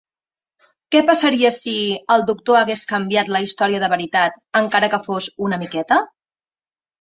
Què passaria si... el Doctor hagués canviat la història de veritat, encara que fos una miqueta?